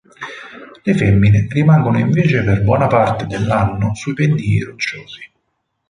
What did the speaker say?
Le femmine rimangono invece per buona parte dell'anno sui pendii rocciosi.